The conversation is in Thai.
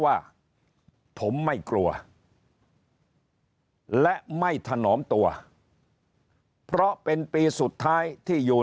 ว่าผมไม่กลัวและไม่ถนอมตัวเพราะเป็นปีสุดท้ายที่อยู่